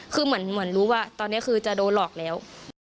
คือเหมือนรู้ว่าตอนนี้คือจะโดนหลอกแล้ว